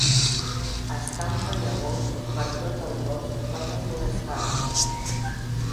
Escampa llavors per tot el bosc per reforestar-lo.